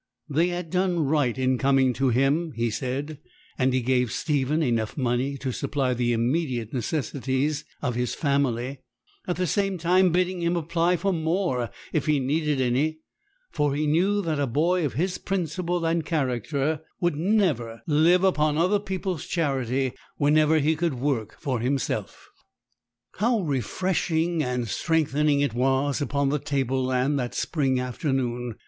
They had done right in coming to him, he said; and he gave Stephen enough money to supply the immediate necessities of his family, at the same time bidding him apply for more if he needed any; for he knew that a boy of his principle and character would never live upon other people's charity whenever he could work for himself. How refreshing and strengthening it was upon the tableland that spring afternoon!